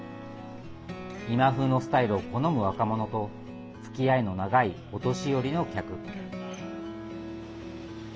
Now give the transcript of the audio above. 今風のスタイルを好む若者とつきあいの長いお年寄りの客。